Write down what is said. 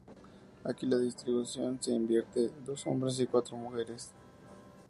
Aquí la distribución se invierte: dos hombres y cuatro mujeres.